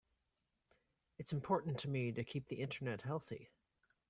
Itâs important to me to keep the Internet healthy.